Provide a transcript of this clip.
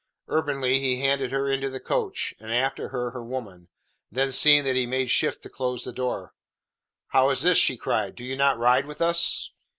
Urbanely he handed her into the coach, and, after her, her woman. Then seeing that he made shift to close the door: "How is this?" she cried. "Do you not ride with us?"